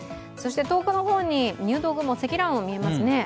遠くの方に、入道雲、積乱雲が見えますね。